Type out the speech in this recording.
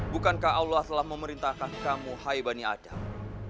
bukankah allah telah memerintahkan kamu hai bani acam